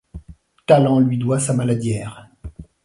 Talant lui doit sa maladière.